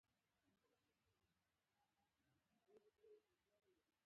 احمد وایي: څوک چې تېر شي، غول یې په نس کې پېژنم.